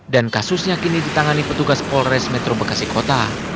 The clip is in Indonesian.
dan kasusnya kini ditangani petugas polres metro bekasi kota